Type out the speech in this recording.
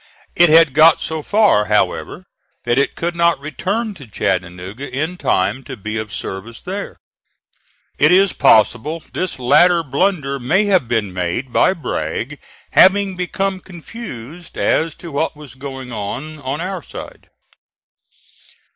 It had got so far, however, that it could not return to Chattanooga in time to be of service there. It is possible this latter blunder may have been made by Bragg having become confused as to what was going on on our side.